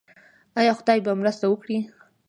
آیا خدای به مرسته وکړي؟